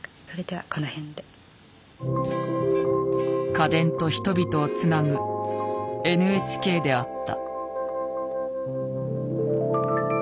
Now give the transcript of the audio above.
家電と人々をつなぐＮＨＫであった。